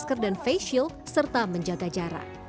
masker dan face shield serta menjaga jarak